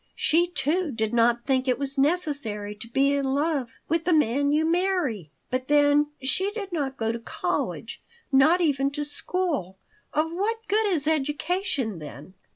She, too, did not think it was necessary to be in love with the man you marry. But then she did not go to college, not even to school. Of what good is education, then?"